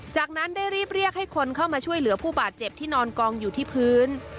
จากนั้นได้รีบเรียกให้คนเข้ามาช่วยเหลือผู้บาดเจ็บที่นอนกองอยู่ที่พื้น